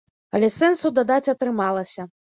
Але сэнсу дадаць атрымалася.